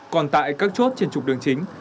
còn tại các chốt trên trục đường chính